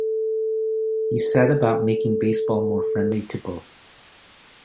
He set about making baseball more friendly to both.